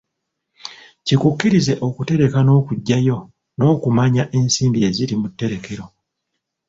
Kikukkirize okutereka n'okuggyayo n'okumanya ensimbi eziri mu tterekero.